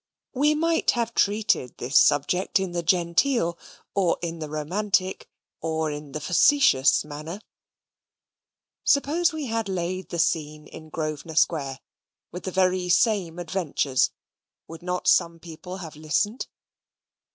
We might have treated this subject in the genteel, or in the romantic, or in the facetious manner. Suppose we had laid the scene in Grosvenor Square, with the very same adventures would not some people have listened?